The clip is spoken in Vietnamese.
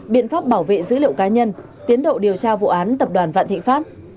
biện pháp bảo vệ dữ liệu cá nhân tiến độ điều tra vụ án tập đoàn vạn thịnh pháp